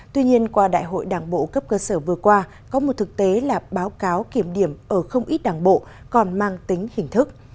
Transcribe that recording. tuy nhiên qua đại hội đảng bộ cấp cơ sở vừa qua có một thực tế là báo cáo kiểm điểm ở không ít đảng bộ còn mang tính hình thức